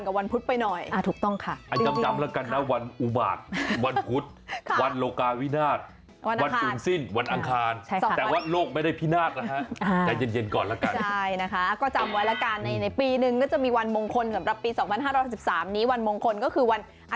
แต่ว่าโลกไม่ได้วินาทใจเย็นก่อนละกัน